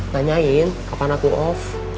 tanyain kapan aku off